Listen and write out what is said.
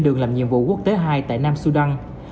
đường làm nhiệm vụ quốc tế hai tại nam sudan